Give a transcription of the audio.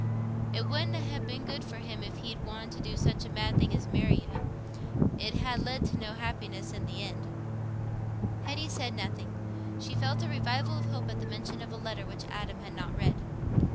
It wouldna ha' been good for you if he'd wanted to do such a mad thing as marry you: it 'ud ha' led to no happiness i' th' end." Hetty said nothing; she felt a revival of hope at the mention of a letter which Adam had not read.